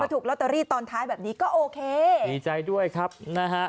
ถูกลอตเตอรี่ตอนท้ายแบบนี้ก็โอเคดีใจด้วยครับนะฮะ